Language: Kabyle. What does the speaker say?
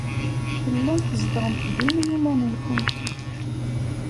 Tellamt tzedɣemt din i yiman-nwent.